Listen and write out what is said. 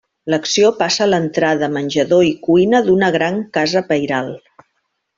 L'acció passa a l'entrada, menjador i cuina d'una gran casa pairal.